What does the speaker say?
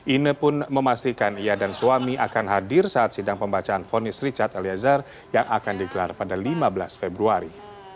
ine pun memastikan ia dan suami akan hadir saat sidang pembacaan fonis richard eliezer yang akan digelar pada lima belas februari